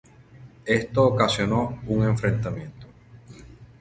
Esto ocasionó un enfrentamiento.